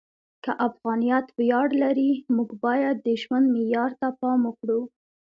که افغانیت ویاړ لري، موږ باید د ژوند معیار ته پام وکړو.